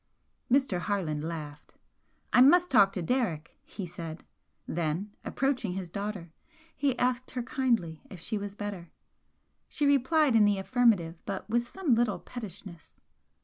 Mr. Harland laughed. "I must talk to Derrick," he said then, approaching his daughter, he asked her kindly if she was better. She replied in the affirmative, but with some little pettishness.